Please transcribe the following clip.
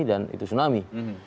dan itu tsunami